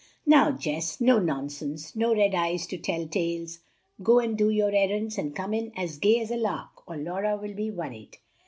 "Now, Jess, no nonsense, no red eyes to tell tales! Go and do your errands, and come in as gay as a lark, or Laura will be worried."